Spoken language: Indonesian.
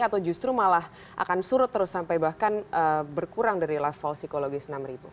atau justru malah akan surut terus sampai bahkan berkurang dari level psikologis enam ribu